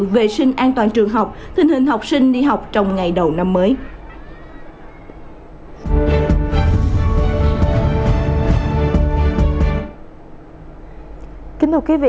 vệ sinh an toàn trường học tình hình học sinh đi học trong ngày đầu năm mới